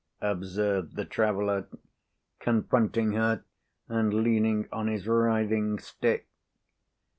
observed the traveller, confronting her and leaning on his writhing stick.